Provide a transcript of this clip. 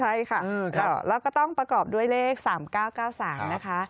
ใช่ค่ะแล้วก็ต้องประกอบด้วยเลข๓๙๙๓นะคะ